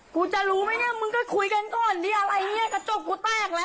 กูจะรู้ไหมเนี่ยมึงก็คุยกันก่อนดิอะไรอย่างนี้กระจกกูแตกแล้ว